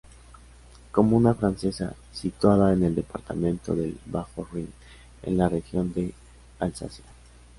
Comuna francesa, situada en el departamento del Bajo Rin, en la región de Alsacia.